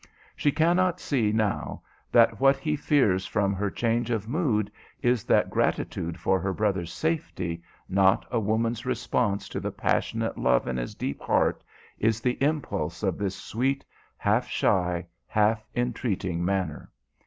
She cannot see now that what he fears from her change of mood is that gratitude for her brother's safety, not a woman's response to the passionate love in his deep heart, is the impulse of this sweet, half shy, half entreating manner.